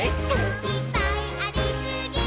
「いっぱいありすぎー！！」